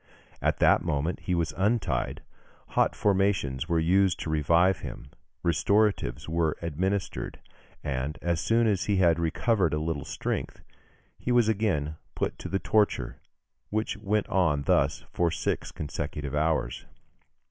] At that moment he was untied, hot fomentations were used to revive him, restoratives were administered, and, as soon as he had recovered a little strength, he was again put to the torture, which went on thus for six consecutive hours.